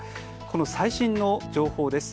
最新の情報です。